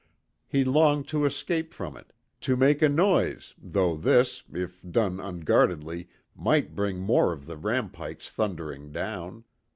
He longed to escape from it, to make a noise, though this, if done unguardedly, might bring more of the rampikes thundering down.